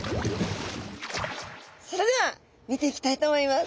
それでは見ていきたいと思います。